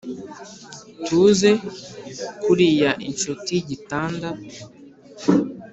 tuze kuriya inshuti yigitanda